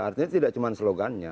artinya tidak cuma slogannya